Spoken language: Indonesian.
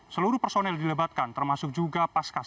seluruh personil dilebatkan termasuk juga paskas